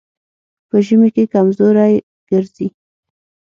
په ژمي کې کمزوری ګرځي.